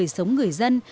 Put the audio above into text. đời sống người dân